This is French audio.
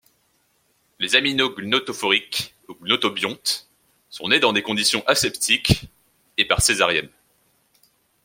Les aminaux gnotophoriques ou gnotobiontes sont nés dans des conditions aseptiques et par césarienne.